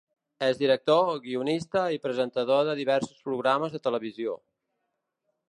És director, guionista i presentador de diversos programes de televisió.